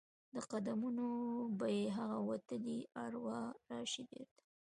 د قدمونو به یې هغه وتلي اروا راشي بیرته؟